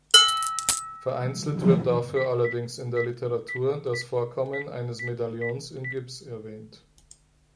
Vereinzelt wird dafür allerdings in der Literatur das Vorkommen eines Medaillons in Gips erwähnt.